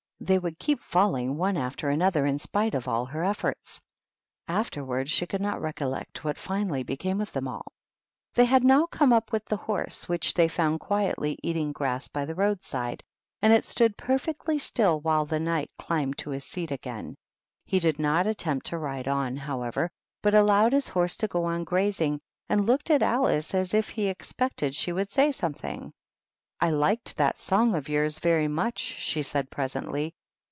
They would keep falling one after another in spite of all her effiirts. Afterwards she could not recollect what finally became of them all. 110 THE WHITE KNIGHT. They had now come up with the horse, which they found quietly eating grass by the roadside, and it stood perfectly still while the Knight climbed to his seat again. He did not attempt to ride on, however, but allowed his horse to go on grazing, and looked at Alice as if he expected she would say something. "I liked that song of yours very much/' she said, presently.